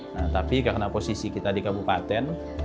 nah tapi karena posisi kita di kabupaten